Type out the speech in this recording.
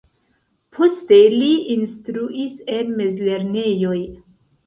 Poste li instruis en mezlernejoj.